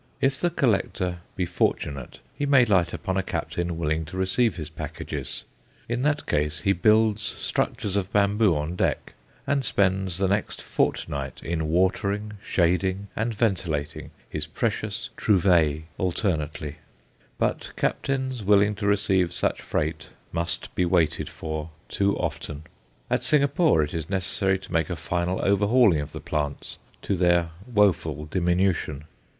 If the collector be fortunate he may light upon a captain willing to receive his packages; in that case he builds structures of bamboo on deck, and spends the next fortnight in watering, shading, and ventilating his precious trouvailles, alternately. But captains willing to receive such freight must be waited for too often. At Singapore it is necessary to make a final overhauling of the plants to their woeful diminution.